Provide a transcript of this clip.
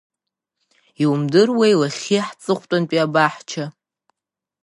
Иумдыруеи лахьхьи ҳҵыхәтәантәи абаҳча?